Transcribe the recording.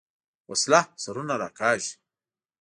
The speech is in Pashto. وسله سرونه راکاږي